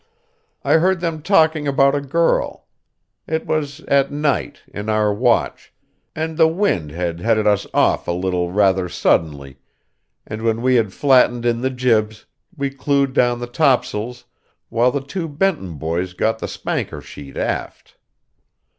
I heard them talking about a girl. It was at night, in our watch, and the wind had headed us off a little rather suddenly, and when we had flattened in the jibs, we clewed down the topsails, while the two Benton boys got the spanker sheet aft.